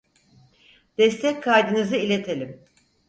Destek kaydınızı iletelim